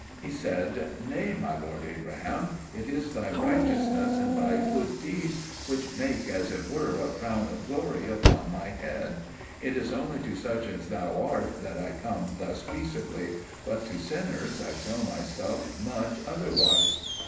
He said, "Nay, my lord Abraham; it is thy righteousness and thy good deeds which make as it were a crown of glory upon my head; it is only to such as thou art that I come thus peaceably, but to sinners I show myself much otherwise."